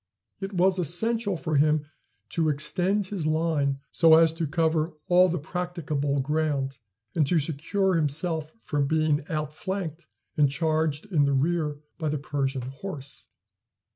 It was essential for him to extend his line so as to cover all the practicable ground, and to secure himself from being outflanked and charged in the rear by the Persian horse.